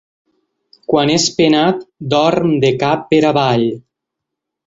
Quan és penat dorm de cap per avall.